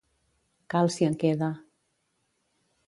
Cal si en queda.